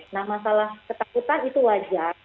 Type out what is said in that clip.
nah masalah ketakutan itu wajar